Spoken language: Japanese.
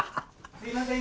すいません